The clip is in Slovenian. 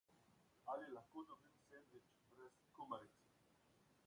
Ali lahko dobim sendvič brez kumaric?